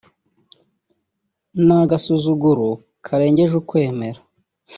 ni agasuzuguro karengeje ukwemera